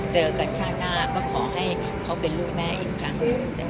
เจอกันชาติหน้าก็ขอให้เขาเป็นลูกแม่อีกครั้งหนึ่ง